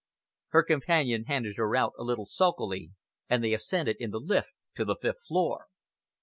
Her companion handed her out a little sulkily, and they ascended in the lift to the fifth floor.